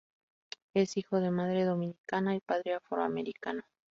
Es hijo de madre dominicana y padre afroamericano.